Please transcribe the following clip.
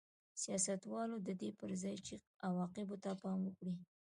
سیاستوالو د دې پر ځای چې عواقبو ته پام وکړي